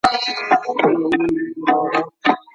له ليوني څخه قلم پورته دی، تر څو چي پر سد کيږي.